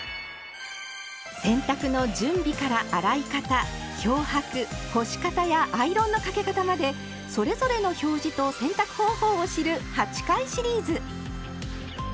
洗濯の準備から洗い方漂白干し方やアイロンのかけ方までそれぞれの表示と洗濯方法を知る８回シリーズ。